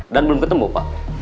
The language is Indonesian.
dan belum ketemu pak